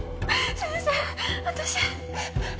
先生私私